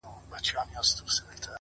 o ليلا مجنون؛